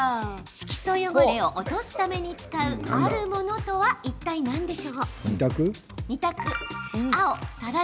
色素汚れを落とすために使うあるものとはいったい何でしょう？